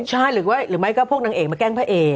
ใช่หรือไม่ก็พวกนางเอกมาแกล้งพระเอก